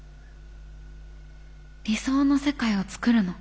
理想の世界を創るの。